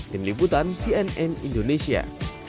tim liputan cnn indonesia